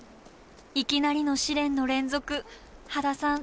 いきなりの試練の連続羽田さん